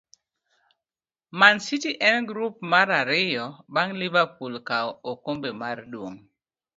Mancity en grup mara ariyo bang' Liverpool kawo okombe mar duong'